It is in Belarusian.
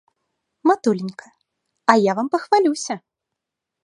Матуленька, а я вам пахвалюся!